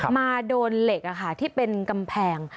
มาโดนเหล็กที่เป็นกำแพง